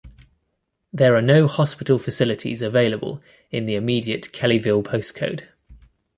There are no hospital facilities available in the immediate Kellyville postcode.